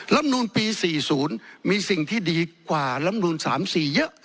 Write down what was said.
รัฐมนูลปี๔๐มีสิ่งที่ดีกว่ารัฐมนูล๓๔เยอะ